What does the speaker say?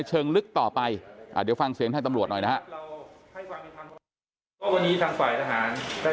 เชิงลึกต่อไปเดี๋ยวฟังเสียงทางตำรวจหน่อยนะฮะ